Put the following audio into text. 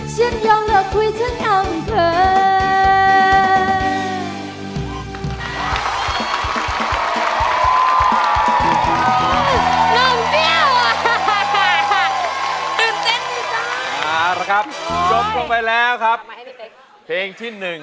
ฉันยอมเลิกคุยทั้งอำเผิน